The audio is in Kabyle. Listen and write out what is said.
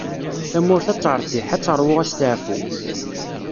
Tamurt ad teṛtiḥ, ad teṛwu asteɛfu.